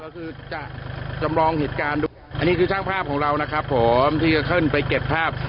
ก็คือจะจำลองเหตุการณ์ดูอันนี้คือช่างภาพของเรานะครับผมที่จะขึ้นไปเก็บภาพ